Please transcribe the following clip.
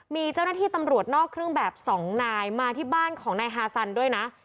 มีเจ้าหน้าที่ตำรวจนอกเครื่องแบบ๒นายมาที่บ้านของนายฮาซันด้วยนะ